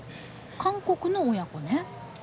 韓国の親子ね。